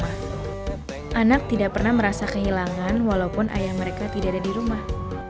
anak tidak pernah merasa kehilangan walaupun ayah mereka tidak ada di rumah